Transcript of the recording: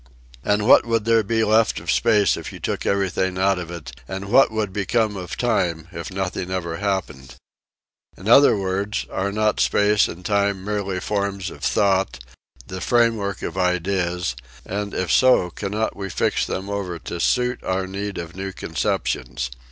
And what would there be left of space if you took everything out of it, and what would become of time if nothing ever happened? In other words are not space and time merely forms of thought, the framework of ideas, and if so cannot we fix them over to suit our need of new conceptions?